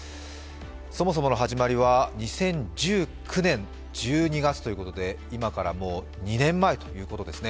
そもそもの始まりは２０１９年１２月ということで、今から２年前ということですね。